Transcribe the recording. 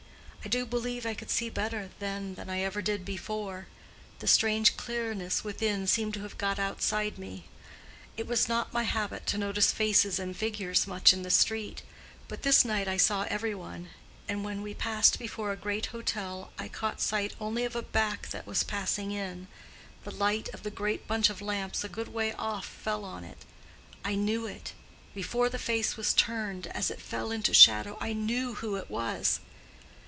I do believe I could see better then than I ever did before: the strange clearness within seemed to have got outside me. It was not my habit to notice faces and figures much in the street; but this night I saw every one; and when we passed before a great hotel I caught sight only of a back that was passing in—the light of the great bunch of lamps a good way off fell on it. I knew it—before the face was turned, as it fell into shadow, I knew who it was.